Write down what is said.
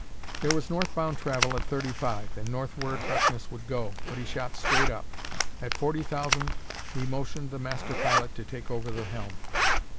There was northbound travel at thirty five, and northward Harkness would go, but he shot straight up. At forty thousand he motioned the master pilot to take over the helm.